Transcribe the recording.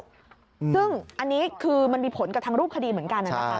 ซึ่งอันนี้คือมันมีผลกับทางรูปคดีเหมือนกันนะคะ